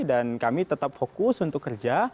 dan kami tetap fokus untuk kerja